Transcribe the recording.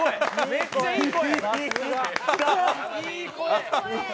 めっちゃいい声！